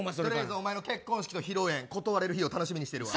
お前の結婚式と披露宴断れる日を楽しみにしてるわ。